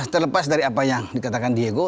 terlepas dari apa yang dikatakan diego